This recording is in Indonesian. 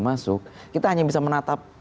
masuk kita hanya bisa menatap